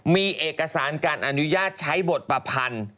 มีเอกสารการอนุญาตใช้บทประพันธ์